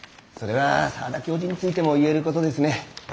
それは澤田教授についても言えることですね。